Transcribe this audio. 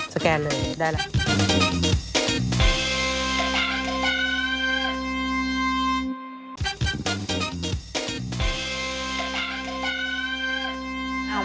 สแกนเลยได้แล้ว